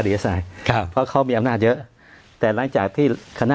ดีเอสไอครับเพราะเขามีอำนาจเยอะแต่หลังจากที่คณะ